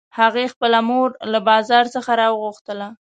هغې خپله مور له بازار څخه راوغوښتله